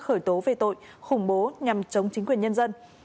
khởi tố về tội khủng bố nhằm chống chính quyền nhân dân